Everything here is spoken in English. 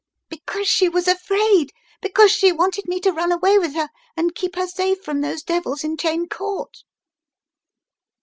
" "Because she was afraid. Because she wanted me to run away with her and keep her safe from those devils in Cheyne Court!"